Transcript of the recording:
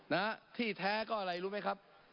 นะฮะที่แท้ก็อะไรรู้ไหมครับ